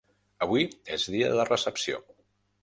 Avui és dia de recepció.